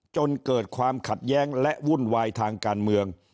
จนเกิดความขัดแย้งและวุ่นวายทางการเมือง